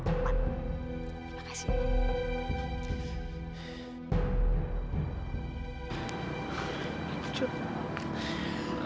terima kasih ma